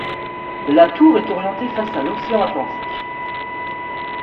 La tour est orientée face à l'océan Atlantique.